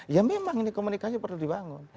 ya memang ini komunikasi perlu dibangun